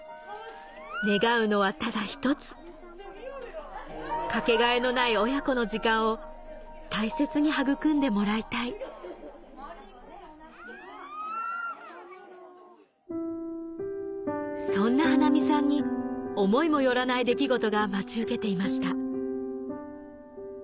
願うのはただ一つかけがえのない親子の時間を大切に育んでもらいたいそんな華実さんに思いも寄らない出来事が待ち受けていました